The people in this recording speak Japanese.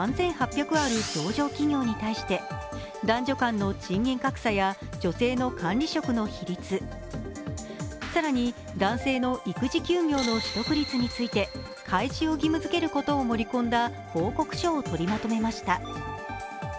ある上場企業に対して男女間の賃金格差や女性の管理職の比率、更に、男性の育児休業の取得率について開示を義務づけることを盛り込んだ報告書を取りまとめました。